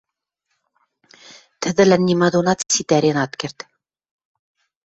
Тӹдӹлӓн нима донат ситӓрен ат керд.